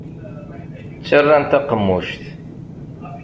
Ttarran taqemmuct.